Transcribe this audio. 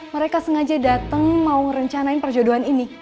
mereka sengaja dateng mau ngerencanain perjodohan ini